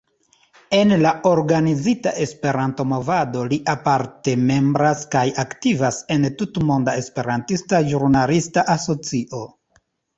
En la organizita Esperanto-movado, li aparte membras kaj aktivas en Tutmonda Esperantista Ĵurnalista Asocio.